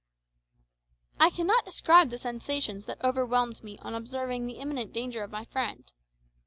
I cannot describe the sensations that overwhelmed me on observing the imminent danger of my friend.